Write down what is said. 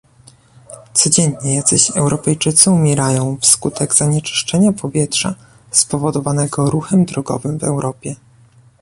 Codziennie jacyś Europejczycy umierają wskutek zanieczyszczenia powietrza spowodowanego ruchem drogowym w Europie